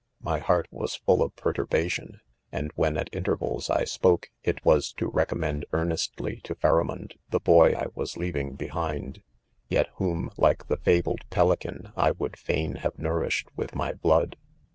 •■■''.■■•..' My ' heart was full of" perturbation ; and when at ■ intervals, I spoke, it : was to recom mend earnestly to Pharamond, the boy I was 'leaving behind— yet whom, like the; fabled pelican, I would fain have nourished, with my blood.